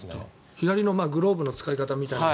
左のグローブの使い方みたいな。